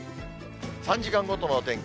３時間ごとのお天気。